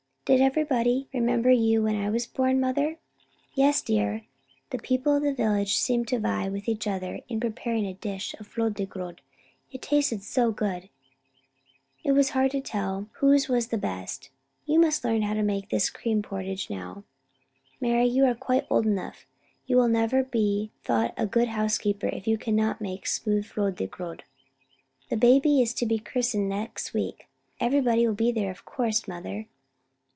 "Did everybody remember you when I was born, mother?" "Yes, dear, the people of the village seemed to vie with each other in preparing a dish of flödegrod. It did taste so good! It was hard to tell whose was the best. You must learn how to make this cream porridge now, Mari; you are quite old enough. You will never be thought a good housekeeper if you cannot make smooth flödegrod." "The baby is to be christened next week. Everybody will be there, of course, mother."